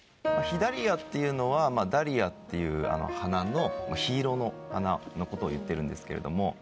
「緋ダリア」っていうのはダリアっていう花の緋色の花のことを言ってるんですけれども。